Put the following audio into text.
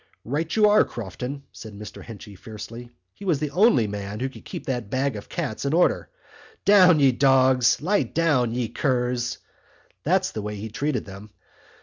"Right you are, Crofton!" said Mr Henchy fiercely. "He was the only man that could keep that bag of cats in order. 'Down, ye dogs! Lie down, ye curs!' That's the way he treated them.